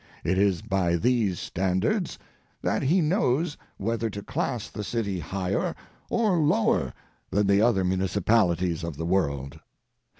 It is by these standards that he knows whether to class the city higher or lower than the other municipalities of the world.